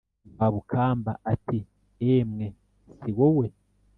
Rwabukamba ati: "Emwe si wowe!